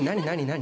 何？